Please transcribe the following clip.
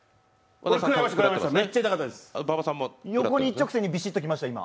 横に一直線にビリッときました。